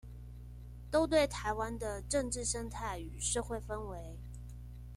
都對臺灣的政治生態與社會氛圍